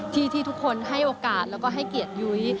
ที่ทุกคนให้โอกาสแล้วก็ให้เกียรติยุ้ย